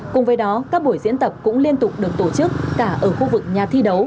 cùng với đó các buổi diễn tập cũng liên tục được tổ chức cả ở khu vực nhà thi đấu